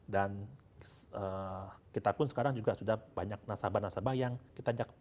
dan kita pun sekarang juga sudah banyak nasabah nasabah yang kita jaga